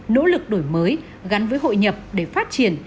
nỗ lực đổi mới gắn với hội nhập để phát triển